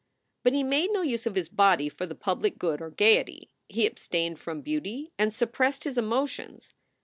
But he made no use of his body for the public good or gayety. He abstained from beauty and suppressed his emo tions.